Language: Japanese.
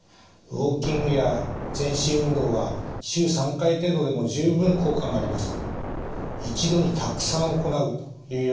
ウォーキングや全身運動は週３回程度でも十分効果があります。